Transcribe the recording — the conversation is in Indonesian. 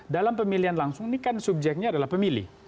dalam pemilihan langsung ini kan subjeknya adalah pemilih